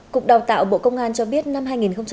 cục đào tạo bộ công an cho biết năm hai nghìn một mươi sáu